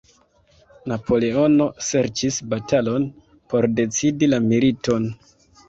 Napoleono serĉis batalon por decidi la militon.